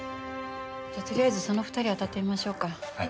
じゃあとりあえずその２人を当たってみましょうか。